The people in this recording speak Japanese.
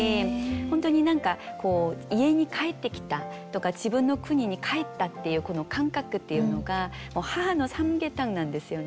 本当に何かこう家に帰ってきたとか自分の国に帰ったっていうこの感覚っていうのがもう母のサムゲタンなんですよね。